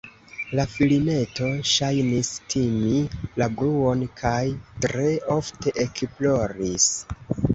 La filineto ŝajnis timi la bruon kaj tre ofte ekploris.